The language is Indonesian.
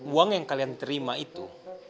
uang yang kalian terima itu